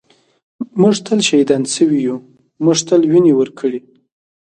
ًٍمونږ تل شهیدان شوي یُو مونږ تل وینې ورکــــړي